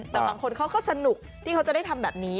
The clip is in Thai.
แต่บางคนเขาก็สนุกที่เขาจะได้ทำแบบนี้